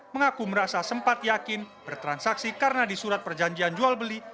mengaku merasa sempat yakin bertransaksi karena di surat perjanjian jual beli